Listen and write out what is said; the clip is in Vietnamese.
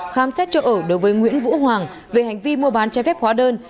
khám xét chỗ ở đối với nguyễn vũ hoàng về hành vi mua bán trái phép hóa đơn